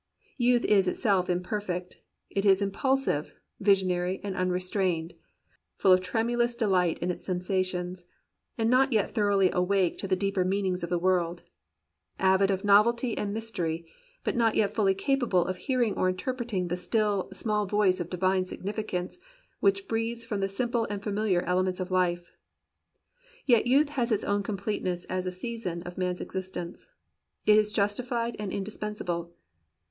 Youth itself is imperfect: it is impulsive, vi sionary, and unrestrained; full of tremulous de light in its sensations, but not yet thoroughly awake to the deeper meanings of the world; avid of novelty and mystery, but not yet fully capable of hearing or interpreting the still, small voice of divine significance which breathes from the simple and familiar elements of life. Yet youth has its own completeness as a season of man's existence. It is justified and indispensable.